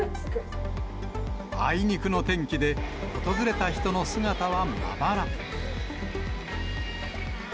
あいにくの天気で、訪れた人の姿はまばら。